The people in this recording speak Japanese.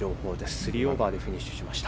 ３オーバーでフィニッシュしました。